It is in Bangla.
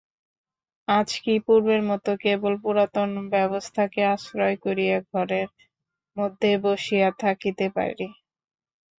আজ কি পূর্বের মতো কেবল পুরাতন ব্যবস্থাকে আশ্রয় করিয়া ঘরের মধ্যে বসিয়া থাকিতে পারি?